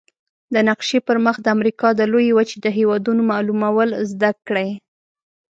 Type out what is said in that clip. د نقشي پر مخ د امریکا د لویې وچې د هېوادونو معلومول زده کړئ.